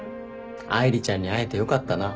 愛梨ちゃんに会えてよかったな。